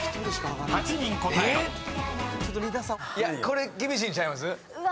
これ厳しいんちゃいます？